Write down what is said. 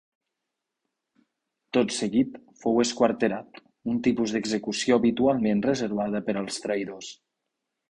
Tot seguit, fou esquarterat, un tipus d'execució habitualment reservada per als traïdors.